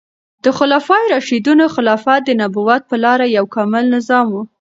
د خلفای راشدینو خلافت د نبوت په لاره یو کامل نظام و.